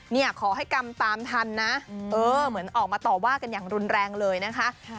เนี่ยขอให้กรรมตามทันนะเหมือนออกมาต่อว่ากันอย่างรุนแรงเลยนะคะ